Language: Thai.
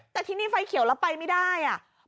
แต่ที่นี่ไฟเขียวแล้วไปไม่ได้อ่ะ